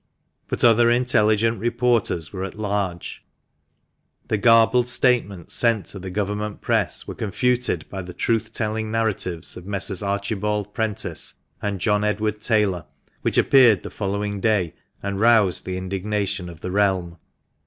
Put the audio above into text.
But other intelligent reporters were at large, the garbled statements sent to the Government press were confuted by the truth telling narratives of Messrs. Archibald Prentice and John Edward Taylor, which appeared the following day, and roused the indignation of the realm.